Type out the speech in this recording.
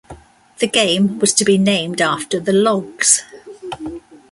The game was to be named after the Logs.